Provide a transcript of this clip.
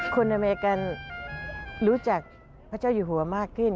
อเมริกันรู้จักพระเจ้าอยู่หัวมากขึ้น